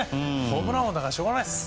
ホームラン王だからしょうがないです。